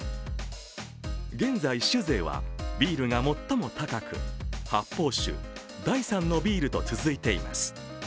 現在、酒税はビールが最も高く発泡酒、第３のビールと続いています。